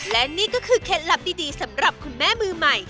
และนี่ก็คือเคล็ดลับดีสำหรับคุณแม่มือใหม่